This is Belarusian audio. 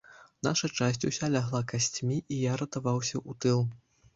Наша часць уся лягла касцьмi, i я ратаваўся ў тыл.